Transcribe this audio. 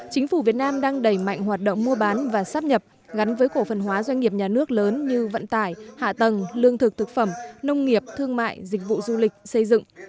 chính phủ việt nam đang đẩy mạnh hoạt động mua bán và sắp nhập gắn với cổ phần hóa doanh nghiệp nhà nước lớn như vận tải hạ tầng lương thực thực phẩm nông nghiệp thương mại dịch vụ du lịch xây dựng